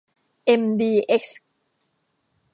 เอ็ม ดี เอ็กซ์